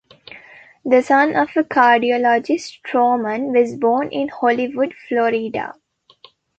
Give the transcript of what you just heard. The son of a cardiologist, Trohman was born in Hollywood, Florida.